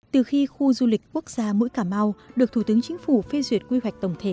từ khi khu du lịch quốc gia mũi cà mau được thủ tướng chính phủ phê duyệt quy hoạch tổng thể